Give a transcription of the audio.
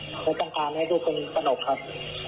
และต้องการให้ทุกคนสนุกครับ